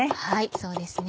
そうですね